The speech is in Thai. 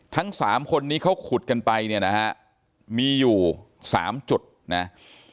ทั้งสามคนนี้เขาขุดกันไปเนี่ยนะฮะมีอยู่๓จุดนะ